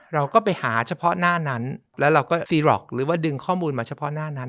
เราก็ไปหาเฉพาะหน้านั้นแล้วเราก็ซีหรอกหรือว่าดึงข้อมูลมาเฉพาะหน้านั้น